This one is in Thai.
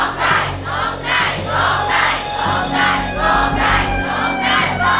ร้องได้ร้องได้ร้องได้ร้องได้